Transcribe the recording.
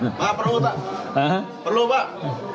pak perlu pak